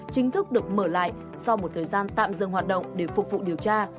chính thức được mở lại sau một thời gian tạm dừng hoạt động để phục vụ điều tra